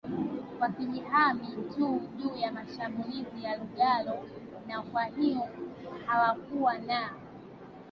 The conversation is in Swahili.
wakijihami tu juu ya mashambulizi ya lugalo na kwahiyo hawakuwa na